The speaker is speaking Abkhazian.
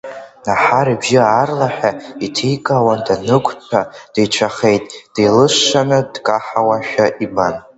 Наҳар ибжьы аарлаҳәа иҭикаауан, данықәтәа деицәахеит, деилышшаны дкаҳауашәа ибан.